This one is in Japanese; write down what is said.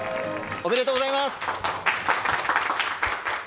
おめでとうございます！